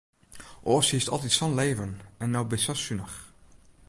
Oars hiest altyd sa'n leven en no bist sa sunich.